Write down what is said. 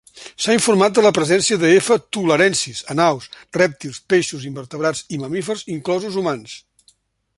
S'ha informat de la presència de "F. tularensis" en aus, rèptils, peixos, invertebrats i mamífers, inclosos humans.